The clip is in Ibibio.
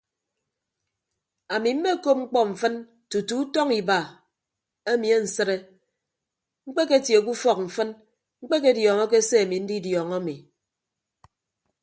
Ami mmekop mkpọ mfịn tutu utọñ iba emi ansịde mkpeketie ke ufọk mfịn mkpediọọñọke se ami ndidiọọñọ ami.